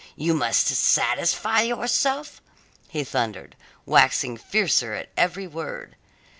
You must satisfy yourself!" he thundered, waxing fiercer at every word.